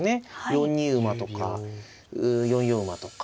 ４二馬とか４四馬とか。